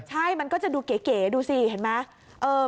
ใช่มันก็จะดูเก๋ดูสิเห็นไหม